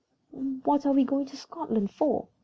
"What are we going to Scotland for?"